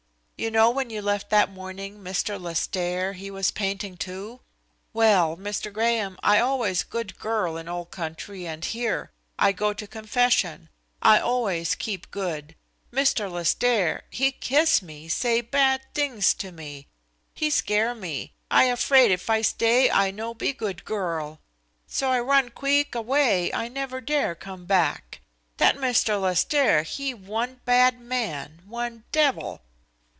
"You know when you left that morning, Mr. Lestaire, he was painting, too? Well, Mr. Graham, I always good girl in old country and here. I go to confession. I always keep good. Mr. Lestaire, he kiss me, say bad tings to me. He scare me. I afraid if I stay I no be good girl. So I run queeck away. I never dare come bade. That Mr. Lestaire he one bad man, one devil."